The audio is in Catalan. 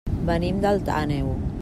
Venim d'Alt Àneu.